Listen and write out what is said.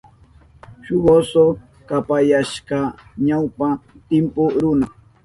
Shuk oso kapayashka ñawpa timpu runa.